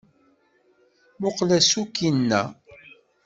Mmuqqel aṣuk-inna.